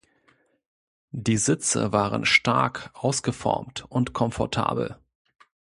Die Sitze waren stark ausgeformt und komfortabel.